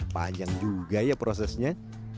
panjang juga ya prosesnya